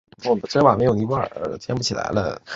并进入了东京中央陆军幼年学校。